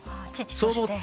そう思って。